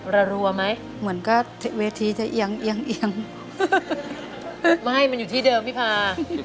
รัวไหมเหมือนก็เวทีจะเอียงเอียงว่าให้มันอยู่ที่เดิมพี่พา